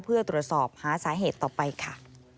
เพื่อตรวจสอบหาสาเหตุต่อไปค่ะ